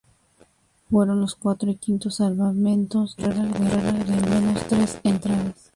Fueron los cuarto y quinto salvamentos de su carrera de al menos tres entradas.